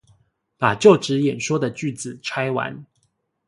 把就職演說的句子拆完